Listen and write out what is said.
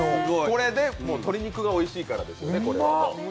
これは鶏肉がおいしいからですね。